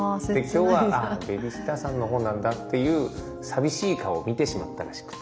今日はベビーシッターさんのほうなんだっていう寂しい顔を見てしまったらしくて。